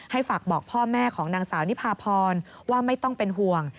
ฝากบอกพ่อแม่ของนางสาวนิพาพรว่าไม่ต้องเป็นห่วง